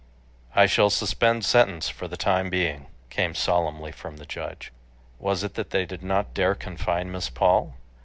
"I shall suspend sentence for the time being," came solemnly from the judge. Was it that they did not dare confine Miss Paul?